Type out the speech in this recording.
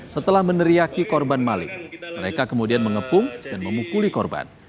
setelah meneriaki korban maling mereka kemudian mengepung dan memukuli korban